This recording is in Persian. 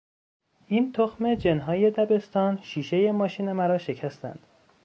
این تخم جنهای دبستان شیشه ماشین مرا شکستند!